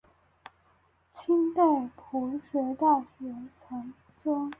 清代朴学大师俞樾曾孙。